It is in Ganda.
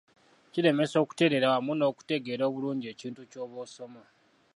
Kiremesa okutereera wamu n'okutegeera obulungi ekintu ky'oba osoma.